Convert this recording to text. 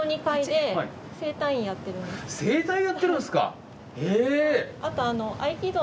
整体やってるんすか！